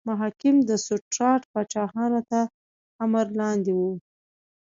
محاکم د سټیورات پاچاهانو تر امر لاندې وو.